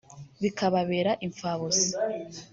bikababera imfabusa